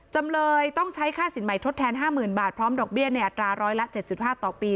จำเลยต้องใช้ค่าสินใหม่ทดแทน๕๐๐๐บาทพร้อมดอกเบี้ยในอัตราร้อยละ๗๕ต่อปี